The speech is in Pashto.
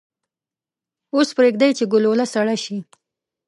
اوس پریږدئ چې ګلوله سړه شي.